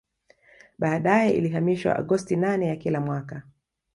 Baadae ilihamishiwa Agosti nane ya kila mwaka